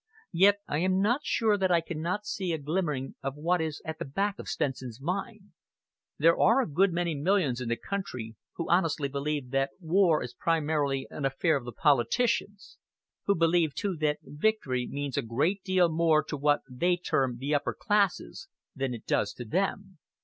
Yet I am not sure that I cannot see a glimmering of what is at the back of Stenson's mind. There are a good many millions in the country who honestly believe that war is primarily an affair of the politicians; who believe, too, that victory means a great deal more to what they term 'the upper classes' than it does to them.